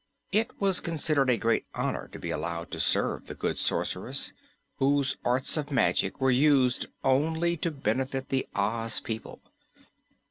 It was considered a great honor to be allowed to serve the good Sorceress, whose arts of magic were used only to benefit the Oz people.